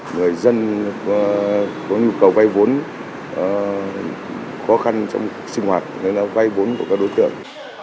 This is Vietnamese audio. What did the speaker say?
người dân có nhu cầu vay vốn khó khăn trong sinh hoạt nên là vay vốn của các đối tượng